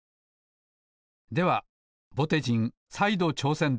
ではぼてじんさいどちょうせんです！